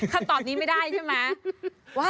คำตอบนี้ไม่ได้ใช่ไหม